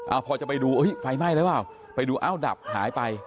อ้าวพอจะไปดูอุ๊ยไฟไหม้แล้วอ่าวไปดูอ้าวดับหายไป